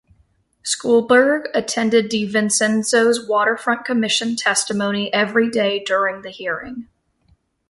Schulberg attended DeVincenzo's waterfront commission testimony every day during the hearing.